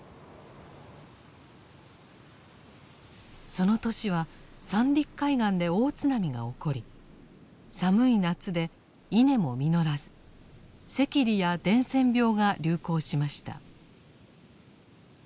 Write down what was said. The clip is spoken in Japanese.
その年は三陸海岸で大津波が起こり寒い夏で稲も実らず赤痢や伝染病が流行しました。